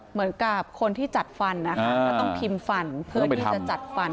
เหมือนกับคนที่จัดฟันนะคะก็ต้องพิมพ์ฟันเพื่อที่จะจัดฟัน